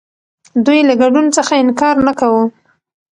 دوی له ګډون څخه انکار نه کاوه.